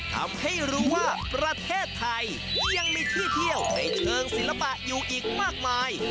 ทำให้รู้ว่าประเทศไทยยังมีที่เที่ยวในเชิงศิลปะอยู่อีกมากมาย